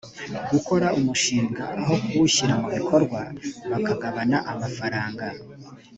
gukora umushinga aho kuwushyira mu bikorwa bakagabana amafaranga